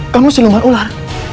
kamu si leman ular